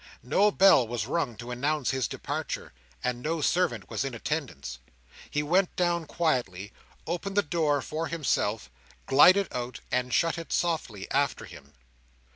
No bell was rung to announce his departure, and no servant was in attendance. He went down quietly, opened the door for himself, glided out, and shut it softly after him.